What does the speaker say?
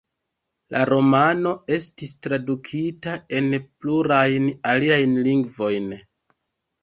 La romano estis tradukita en plurajn aliajn lingvojn.